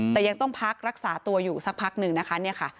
แต่ยังต้องพักรักษาตัวอยู่สักพักหนึ่งนะคะเนี่ยค่ะ